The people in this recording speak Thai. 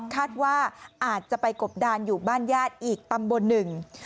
คาดว่าอาจจะไปกบดานอยู่บ้านญาติอีกตำบลหนึ่ง